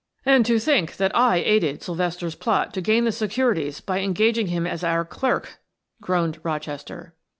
"And to think that I aided Sylvester's plot to gain the securities by engaging him as our clerk," groaned Rochester.